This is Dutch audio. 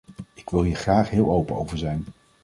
Ik wil hier graag heel open over zijn.